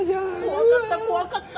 怖かった怖かった。